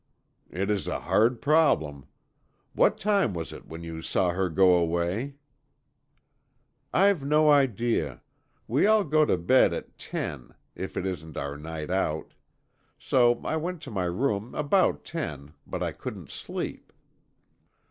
"It is a hard problem. What time was it when you saw her go away?" "I've no idea. We all go to bed at ten, if it isn't our night out. So I went to my room about ten, but I couldn't sleep."